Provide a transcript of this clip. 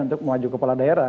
untuk maju kepala daerah